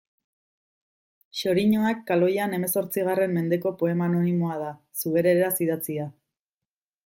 Xoriñoak kaloian hemezortzigarren mendeko poema anonimoa da, zubereraz idatzia.